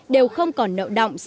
đều không còn nợ động